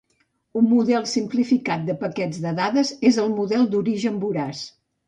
Un model simplificat de paquets de dades és el model d'origen voraç.